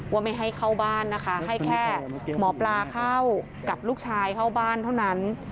ไม่ให้เข้าบ้านนะคะให้แค่หมอปลาเข้ากับลูกชายเข้าบ้านเท่านั้น